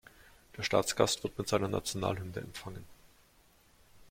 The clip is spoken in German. Der Staatsgast wird mit seiner Nationalhymne empfangen.